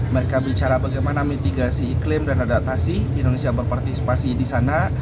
mereka bicara bagaimana mitigasi iklim dan adaptasi indonesia berpartisipasi di sana